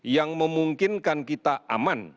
yang memungkinkan kita aman